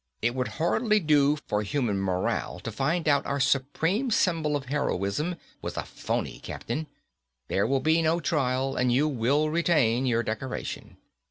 "It would hardly do for human morale to find out our supreme symbol of heroism was a phoney, Captain. There will be no trial, and you will retain your decoration."